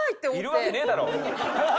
いるわけねえだろ！